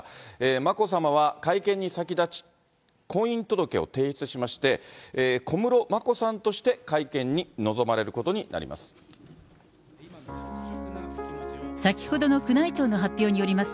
眞子さまは会見に先立ち、婚姻届を提出しまして、小室眞子さんとして会見に臨まれることになります。